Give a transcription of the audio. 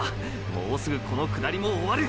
もうすぐこの下りも終わる！！